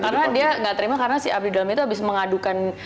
karena dia gak terima karena si abdi dalem itu abis mengadukan